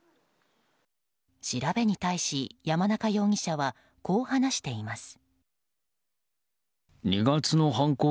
調べに対し、山中容疑者はこう話しています。